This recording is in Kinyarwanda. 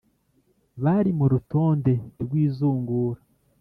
Bari mu rutonde rw’izungura